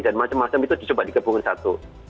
dan macam macam itu disobat di gabungan satu